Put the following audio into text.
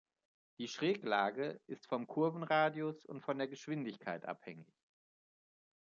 Die Schräglage ist vom Kurvenradius und von der Geschwindigkeit abhängig.